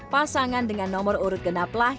pasangan dengan nomor urut genaplah